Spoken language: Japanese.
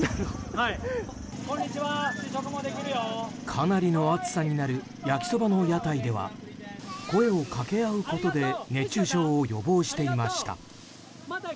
かなりの暑さになる焼きそばの屋台では声を掛け合うことで熱中症を予防していました。